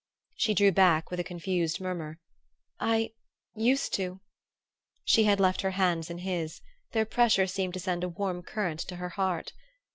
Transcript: She drew back with a confused murmur. "I used to." She had left her hands in his: their pressure seemed to send a warm current to her heart.